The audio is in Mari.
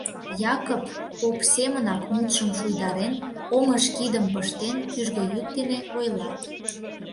Якып, поп семынак мутшым шуйдарен, оҥыш кидым пыштен, кӱжгӧ йӱк дене ойла.